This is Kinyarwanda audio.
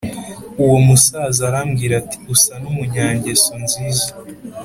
Uwo musaza arambwira ati Usa n’umunyangeso nziza